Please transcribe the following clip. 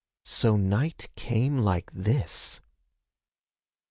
So night came like this!